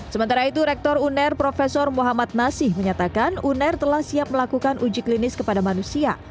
sementara itu rektor uner prof muhammad nasih menyatakan uner telah siap melakukan uji klinis kepada manusia